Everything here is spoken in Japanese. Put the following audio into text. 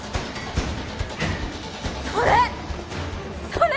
それ！